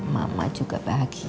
mama juga bahagia